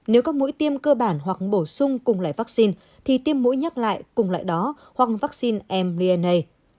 nếu các mũi tiêm cơ bản hoặc bổ sung cùng loại vaccine thì tiêm mũi nhắc lại cùng loại đó hoặc vaccine mrna